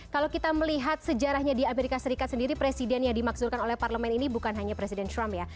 kalau kita melihat sejarahnya di amerika serikat sendiri presiden yang dimaksudkan oleh parlemen ini bukan hanya presiden trump ya